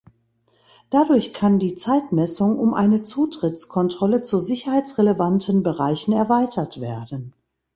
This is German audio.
Dadurch kann die Zeitmessung um eine Zutrittskontrolle zu sicherheitsrelevanten Bereichen erweitert werden.